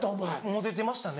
モテてましたね。